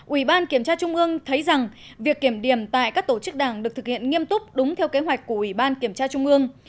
ủy ban kiểm tra trung ương thấy rằng việc kiểm điểm tại các tổ chức đảng được thực hiện nghiêm túc đúng theo kế hoạch của ủy ban kiểm tra trung ương